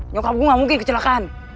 nyokap gue gak mungkin kecelakaan